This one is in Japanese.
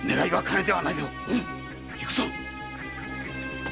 行くぞ！